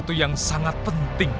saya ingin menunggu